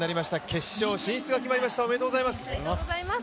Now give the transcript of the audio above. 決勝進出が決まりましたおめでとうございます。